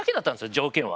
条件は。